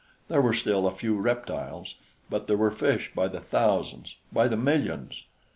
There were still a few reptiles; but there were fish by the thousands, by the millions.